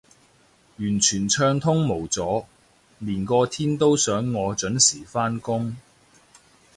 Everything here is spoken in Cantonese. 完全暢通無阻，連個天都想我準時返工